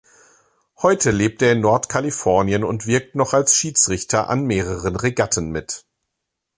Heute lebt er in Nordkalifornien und wirkt noch als Schiedsrichter an mehreren Regatten mit.